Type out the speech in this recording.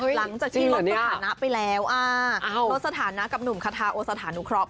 เหรอ